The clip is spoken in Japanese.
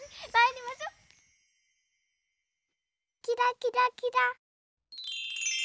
キラキラキラ。